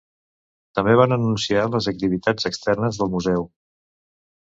També van anunciar les activitats externes del museu.